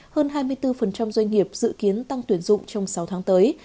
hơn hai mươi bốn doanh nghiệp dự kiến tăng tuyển dụng trong sáu tháng tới